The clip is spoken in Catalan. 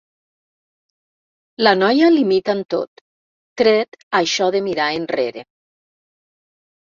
La noia l'imita en tot, tret això de mirar enrere.